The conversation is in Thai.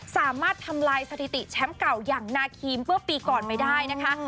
สามารถทำลายสถิติแชมป์เก่าอย่างนาคีมเมื่อปีก่อนไม่ได้นะคะ